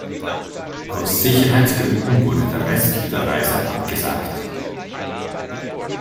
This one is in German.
Aus Sicherheitsgründen wurde der Rest der Reise abgesagt.